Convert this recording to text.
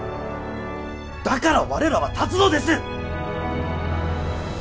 だから我らは立つのです！